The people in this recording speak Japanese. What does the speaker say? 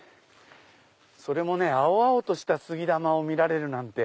それもね青々とした杉玉を見られるなんて。